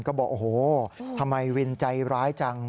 ก็บอกโอ้โหทำไมวินใจร้ายจัง